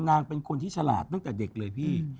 นางเป็นคนที่ฉลาดตั้งแต่เด็กเลยพี่